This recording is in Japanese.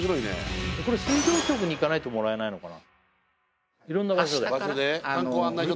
これ水道局に行かないともらえないのかな？